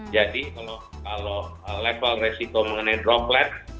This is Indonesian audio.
kalau level resiko mengenai droplet